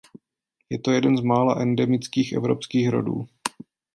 Je to jeden z mála endemických evropských rodů.